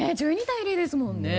１２対０ですものね。